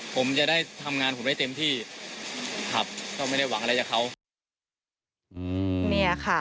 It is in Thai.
ผมจะได้ทำงานผมได้เต็มที่ครับก็ไม่ได้หวังอะไรจากเขาเนี่ยค่ะ